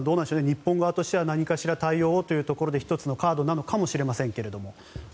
日本側としては何かしらの対応をというところで１つのカードなのかもしれませんが。